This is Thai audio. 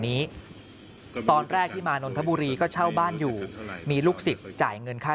นี้ตอนแรกที่มานนทบุรีก็เช่าบ้านอยู่มีลูกศิษย์จ่ายเงินค่า